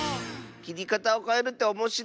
きりかたをかえるっておもしろい！